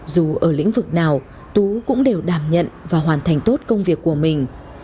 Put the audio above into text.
dù ở lĩnh vực nào tú cũng đều đảm nhận và hoàn thành tốt công việc của mình